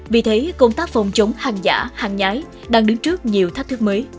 vì thế công tác phòng chống hàng giả hàng nhái đang đứng trước nhiều thách thức mới